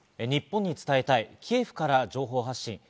日本に伝えたいキエフから情報発信。